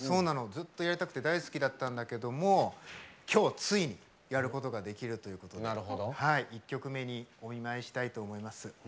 大好きだったんだけどもきょう、ついにやることができるということで１曲目に、お見舞いしたいと思います。